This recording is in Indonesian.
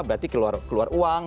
berarti keluar uang